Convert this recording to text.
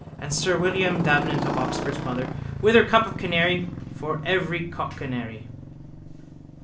And sir William Davenant of Oxford's mother with her cup of canary for any cockcanary.